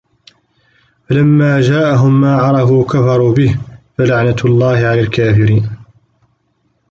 فَلَمَّا جَاءَهُمْ مَا عَرَفُوا كَفَرُوا بِهِ ۚ فَلَعْنَةُ اللَّهِ عَلَى الْكَافِرِينَ